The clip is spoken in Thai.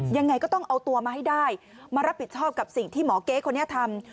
ยังไงก็ต้องเอาตัวมาให้ได้มารับผิดชอบกับสิ่งที่หมอเก๊คนนี้ทำ